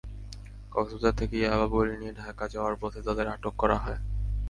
কক্সবাজার থেকে ইয়াবা বড়ি নিয়ে ঢাকা যাওয়ার পথে তাঁদের আটক করা হয়।